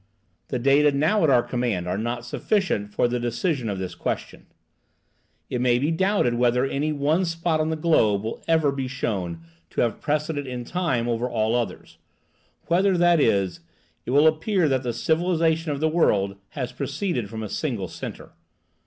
The data now at our command are not sufficient for the decision of this question. It may be doubted whether any one spot on the globe will ever be shown to have precedence in time over all others, whether, that is, it will appear that the civilization of the world has proceeded from a single centre.